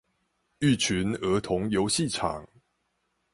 育群兒童遊戲場